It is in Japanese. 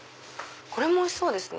これもおいしそうですね。